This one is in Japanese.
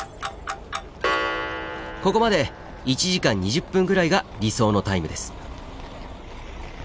ここまで１時間２０分ぐらいが理想のタイムです。